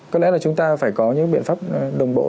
có lẽ là chúng ta phải có những biện pháp đồng bộ